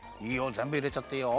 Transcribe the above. ぜんぶいれちゃっていいよ。